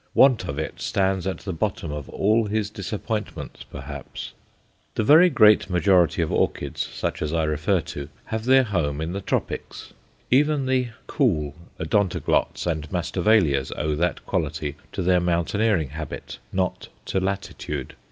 Want of it stands at the bottom of all his disappointments, perhaps. The very great majority of orchids, such as I refer to, have their home in the tropics; even the "cool" Odontoglots and Masdevallias owe that quality to their mountaineering habit, not to latitude.